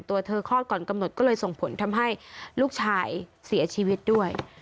ตัวเธอคลอดก่อนกำหนดก็เลยส่งผลทำให้ลูกชายเสียชีวิตด้วย